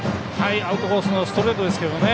アウトコースのストレートですけどね。